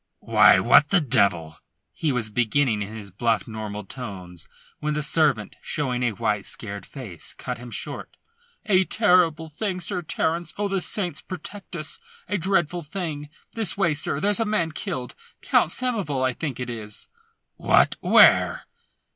"Why, what the devil " he was beginning in his bluff, normal tones, when the servant, showing a white, scared face, cut him short. "A terrible thing, Sir Terence! Oh, the saints protect us, a dreadful thing! This way, sir! There's a man killed Count Samoval, I think it is!" "What? Where?"